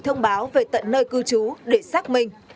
thông báo về tận nơi cư trú để xác minh